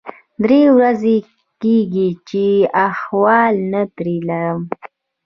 درې ورځې کېږي چې احوال نه ترې لرم.